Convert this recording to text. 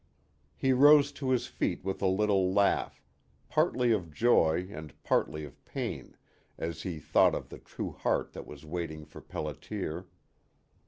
He rose to his feet with a little laugh, partly of joy and partly of pain, as he thought of the true heart that was waiting for Pelliter.